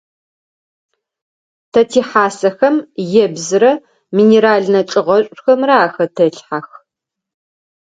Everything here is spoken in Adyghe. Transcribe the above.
Тэ тихьасэхэм ебзырэ минеральнэ чӏыгъэшӏухэмрэ ахэтэлъхьэх.